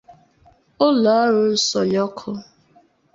ụlọọrụ nsọnyụ ọkụ